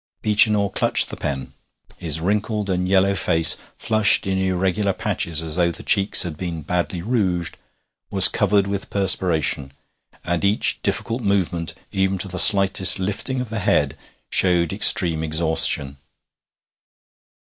Beechinor clutched the pen. His wrinkled and yellow face, flushed in irregular patches as though the cheeks had been badly rouged, was covered with perspiration, and each difficult movement, even to the slightest lifting of the head, showed extreme exhaustion.